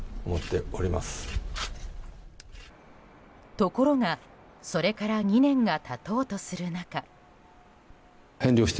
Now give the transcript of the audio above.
ところが、それから２年が経とうとする中。